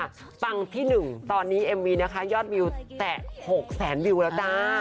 ปังที่๑ตอนนี้เอ็มวีนะคะยอดวิวแตะ๖แสนวิวแล้วจ้า